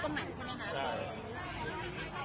ตรงนี้ตรงนี้ตรงนี้ตรงนี้ตรงนี้ตรงนี้ตรงนี้ตรงนี้ตรงนี้